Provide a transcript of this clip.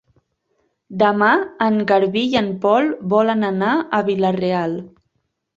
Demà en Garbí i en Pol volen anar a Vila-real.